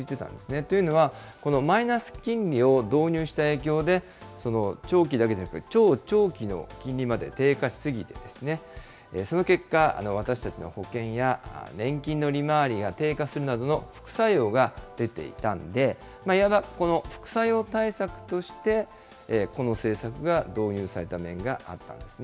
というのは、このマイナス金利を導入した影響で、長期だけじゃなくて超長期の金利まで低下しすぎて、その結果、私たちの保険や年金の利回りが低下するなどの副作用が出ていたんで、いわばこの副作用対策として、この政策が導入された面があったんですね。